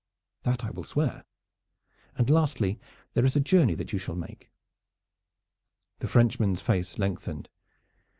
"That I will swear." "And lastly there is a journey that you shall make." The Frenchman's face lengthened.